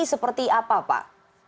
seperti apa pak